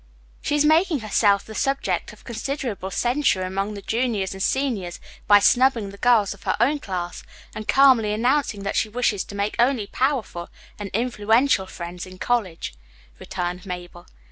"She is making herself the subject of considerable censure among the juniors and seniors by snubbing the girls of her own class and calmly announcing that she wishes to make only powerful and influential friends in college," returned Mabel.